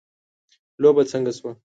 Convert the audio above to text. لوبه څنګه شوه